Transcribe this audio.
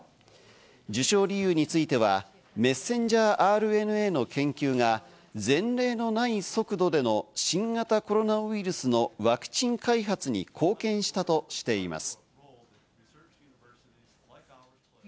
受賞理由については、ｍＲＮＡの研究が前例のない速度での新型コロナウイルスのワクチン開発に貢献したとしています。